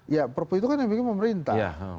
ya perpu itu kan yang bikin pemerintah